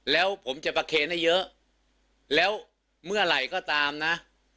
แล้วผมจะประเคนให้เยอะแล้วเมื่อไหร่ก็ตามนะ